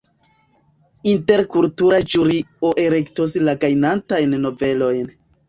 Interkultura ĵurio elektos la gajnantajn novelojn.